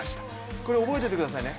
これ覚えておいてくださいね。